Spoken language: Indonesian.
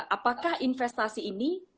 apakah investasi ini